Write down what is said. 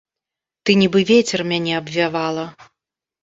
Ты, нібы вецер, мяне абвявала.